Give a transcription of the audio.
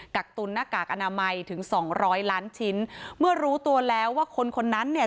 ักตุนหน้ากากอนามัยถึงสองร้อยล้านชิ้นเมื่อรู้ตัวแล้วว่าคนคนนั้นเนี่ย